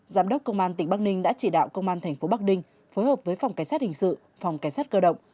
giám đốc công an tỉnh bắc ninh đã chỉ đạo công an tp bắc ninh phối hợp với phòng cảnh sát hình sự phòng cảnh sát cơ động